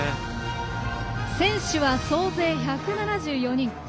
選手は総勢１７４人。